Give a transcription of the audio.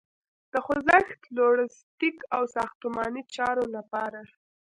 د خوځښت، لوژستیک او ساختماني چارو لپاره